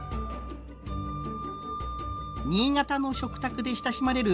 新潟の食卓で親しまれる食用菊